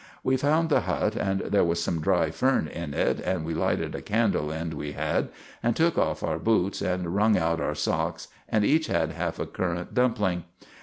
We found the hut, and there was some dry fern in it, and we lighted a candle end we had, and took off our boots, and wrung out our socks, and each had half a currant dumpling.